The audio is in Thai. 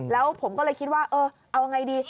แล้วผมก็เลยคิดว่าเออเอายังไงดี